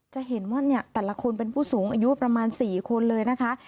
จะเห็นว่าเนี่ยแต่ละคนเป็นผู้สูงอายุประมาณ๔คนเลยนะคะ